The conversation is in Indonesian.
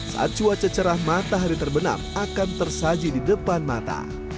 saat cuaca cerah matahari terbenam akan tersaji di depan mata